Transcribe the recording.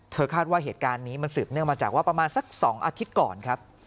คาดว่าเหตุการณ์นี้มันสืบเนื่องมาจากว่าประมาณสัก๒อาทิตย์ก่อนครับ